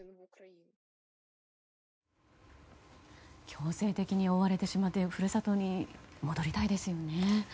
強制的に追われてしまった故郷に戻りたいですよね。